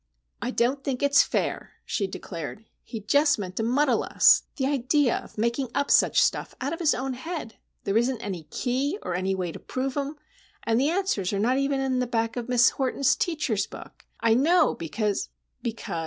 "I don't think it's fair," she declared. "He just meant to muddle us. The idea of making up such stuff out of his own head! There isn't any key, or any way to prove 'em, and the answers are not even in the back of Miss Horton's teacher's book. I know, because——" "Because?"